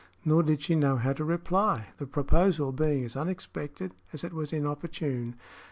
Nor did she know how to reply, the proposal being as unexpected as it was inopportune.